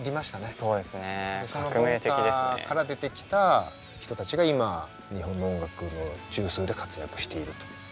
その文化から出てきた人たちが今日本の音楽の中枢で活躍していると。